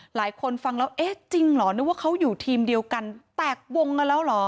หลายคนฟังแล้วเอ๊ะจริงเหรอนึกว่าเขาอยู่ทีมเดียวกันแตกวงกันแล้วเหรอ